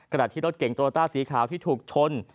ที่รถเก่งโตโยต้าสีขาวที่ถูกชน